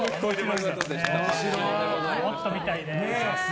もっと見たいね。